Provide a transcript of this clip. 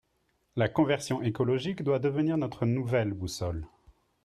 La conversion écologique doit devenir notre nouvelle boussole.